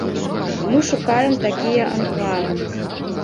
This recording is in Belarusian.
Мы шукаем такія анклавы.